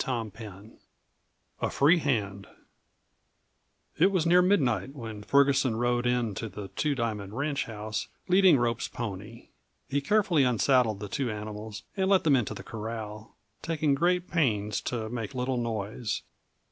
CHAPTER XV A FREE HAND It was near midnight when Ferguson rode in to the Two Diamond ranchhouse leading Rope's pony. He carefully unsaddled the two animals and let them into the corral, taking great pains to make little noise.